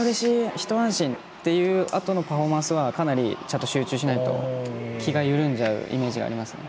一安心っていうあとのパフォーマンスはかなりちゃんと集中しないと気が緩んじゃうイメージがありますね。